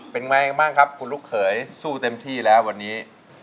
เป็นไงบ้างครับคุณลูกเขยสู้เต็มที่แล้ววันนี้